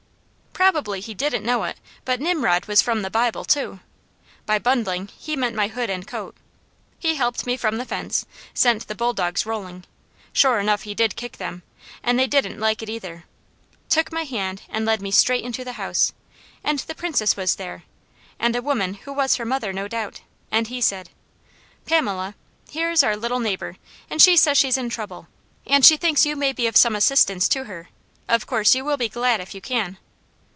Probably he didn't know it, but Nimrod was from the Bible too! By bundling, he meant my hood and coat. He helped me from the fence, sent the bulldogs rolling sure enough he did kick them, and they didn't like it either took my hand and led me straight into the house, and the Princess was there, and a woman who was her mother no doubt, and he said: "Pamela, here is our little neighbour, and she says she's in trouble, and she thinks you may be of some assistance to her. Of course you will be glad if you can."